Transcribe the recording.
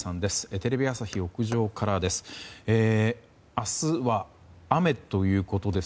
テレビ朝日屋上からです。